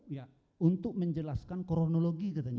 ya untuk menjelaskan kronologi katanya